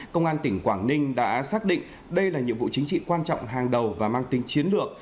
công an tỉnh quảng ninh đã xác định đây là nhiệm vụ chính trị quan trọng hàng đầu và mang tính chiến lược